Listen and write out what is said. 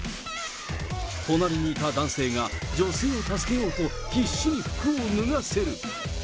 隣にいた男性が女性を助けようと必死に服を脱がせる。